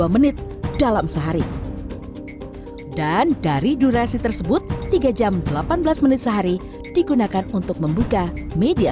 menit dalam sehari dan dari durasi tersebut tiga jam delapan belas menit sehari digunakan untuk membuka media